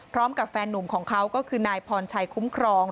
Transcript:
พร้อมกับแฟนนุ่มของเขาก็คือนายพรชัยคุ้มครอง